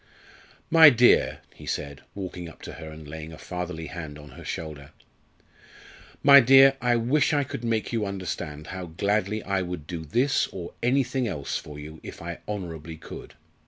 "My dear," he said, walking up to her and laying a fatherly hand on her shoulder, "my dear, I wish I could make you understand how gladly I would do this, or anything else, for you, if I honourably could.